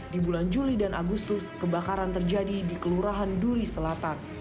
di bulan juli dan agustus kebakaran terjadi di kelurahan duri selatan